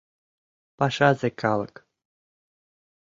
Пашазе калык!